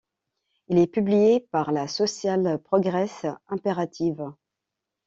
Il est publié par la Social Progress Imperative.